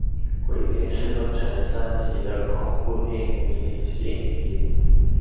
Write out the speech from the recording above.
鬼店是分成三集的恐怖电视迷你影集。